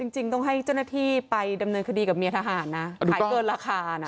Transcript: จริงต้องให้เจ้าหน้าที่ไปดำเนินคดีกับเมียทหารนะขายเกินราคานะ